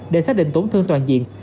để xác định tổn thương toàn diện